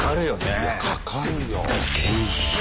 いやかかるよ。